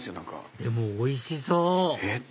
でもおいしそう！